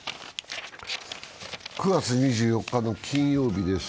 ９月２４日金曜日です。